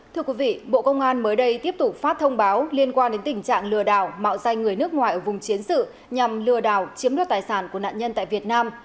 thưa quý vị bộ công an mới đây tiếp tục phát thông báo liên quan đến tình trạng lừa đảo mạo danh người nước ngoài ở vùng chiến sự nhằm lừa đảo chiếm đoạt tài sản của nạn nhân tại việt nam